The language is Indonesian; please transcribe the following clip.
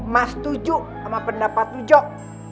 mas tujuk sama pendapat tujuk